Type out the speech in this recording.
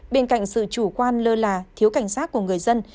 bên cạnh sự chủ quan lơ là thiếu cảnh giác của người dân